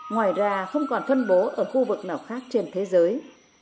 ngoài ra không còn phân bố ở khu vực nào khác trên thế giới